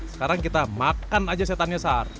sekarang kita makan aja setannya sar